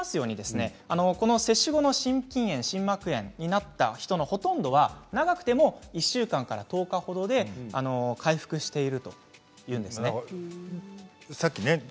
接種後の心筋炎、心膜炎になった人のほとんどは長くても１週間から１０日ほどで回復しているというんですね。